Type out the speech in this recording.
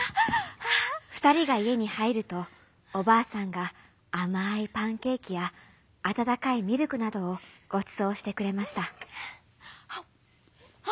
ふたりがいえにはいるとおばあさんがあまいパンケーキやあたたかいミルクなどをごちそうしてくれました。